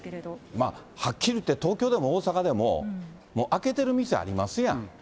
まあ、はっきり言って東京でも大阪でも、開けてる店、ありますやん。